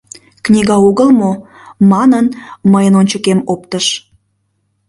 Книга огыл мо? — манын, мыйын ончыкем оптыш.